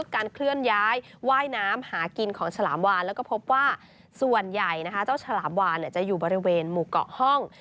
การเคลื่อนย้ายว่ายน้ำหากินของฉลามวานแล้วก็พบว่าส่วนใหญ่เจ้าฉลามวานจะอยู่บริเวณหมู่เกาะห้อง